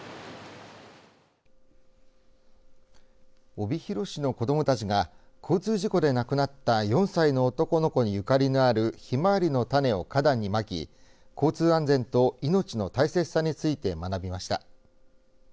帯広市の子どもたちが交通事故で亡くなった４歳の男の子にゆかりのあるひまわりの種を花壇にまき交通安全と命の大切さについて学びました。